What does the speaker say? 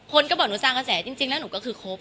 คนก็บอกหนูสร้างกระแสจริงแล้วหนูก็คือครบ